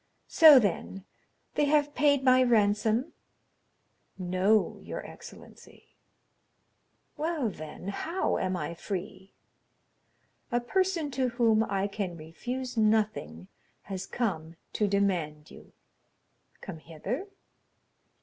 So, then, they have paid my ransom?" "No, your excellency." "Well, then, how am I free?" "A person to whom I can refuse nothing has come to demand you." "Come hither?"